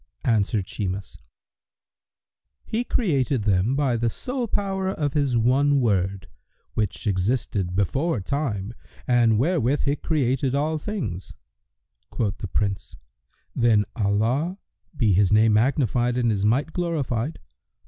Answered Shimas, "He created them by the sole power of His one Word,[FN#121] which existed before time, and wherewith he created all things." Quoth the Prince, "Then Allah (be His name magnified and His might glorified!)